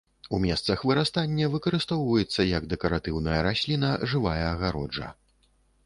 У месцах вырастання выкарыстоўваецца як дэкаратыўная расліна, жывая агароджа.